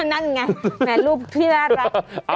นั่นไงแหมรูปที่น่ารัก